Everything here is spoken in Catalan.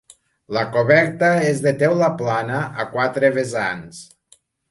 La coberta és de teula plana a quatre vessants.